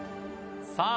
さあ